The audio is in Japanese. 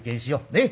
ねっ。